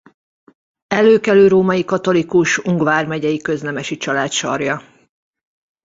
Előkelő római katolikus Ung vármegyei köznemesi család sarja.